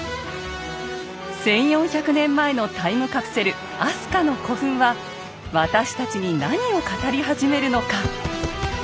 １，４００年前のタイムカプセル飛鳥の古墳は私たちに何を語り始めるのか。